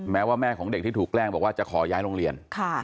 แม้ว่าแม่ของเด็กที่ถูกแกล้งบอกว่าจะขอย้ายโรงเรียน